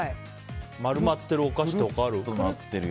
丸まってるお菓子とかある？